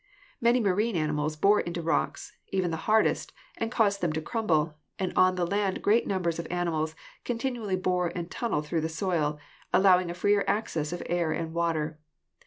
Many marine animals bore into rocks, even the hardest, and cause them to crumble, and on the land great numbers of animals continually bore and tunnel through the soil, allowing a freer access of air and water.